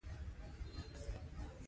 زما تر پښو لاندې دي